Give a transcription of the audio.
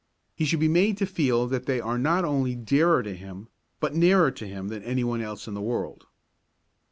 He should be made to feel that they are not only dearer to him, but nearer to him than any one else in the world.